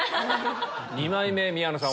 二枚目宮野さん